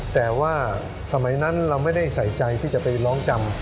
แต่ว่าสมัยนั้นเราไม่ได้ใส่ใจที่จะไปร้องจำ